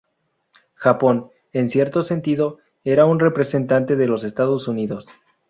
Japón, en cierto sentido, era un representante de los Estados Unidos.